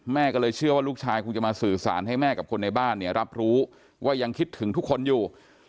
แม่ก็เลยเชื่อว่าลูกชายคงจะมาสื่อสารให้แม่กับคนในบ้านเนี่ยรับรู้ว่ายังคิดถึงทุกคนอยู่